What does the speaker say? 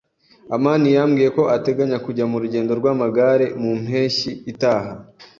amani yambwiye ko ateganya kujya mu rugendo rw'amagare mu mpeshyi itaha.